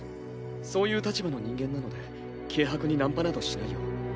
そういう立場の人間なので軽薄にナンパなどしないよ。